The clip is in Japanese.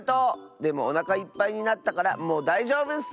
でもおなかいっぱいになったからもうだいじょうぶッス！